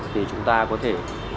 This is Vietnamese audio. thì chúng ta có thể